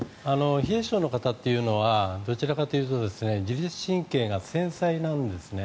冷え性の方っていうのはどちらかというと自律神経が繊細なんですね。